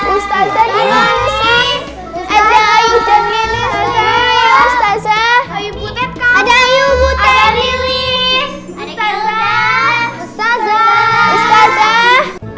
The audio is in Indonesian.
ustazah ini ada ayubutet ada ayubutet ada dili ustazah